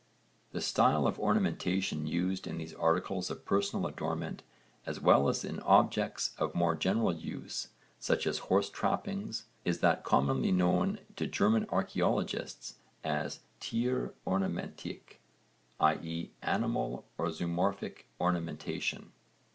The style of ornamentation used in these articles of personal adornment as well as in objects of more general use, such as horse trappings, is that commonly known to German archaeologists as tier ornamentik, i.e. animal or zoomorphic ornamentation.